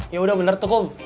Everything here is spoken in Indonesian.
ya udah bener tuh kok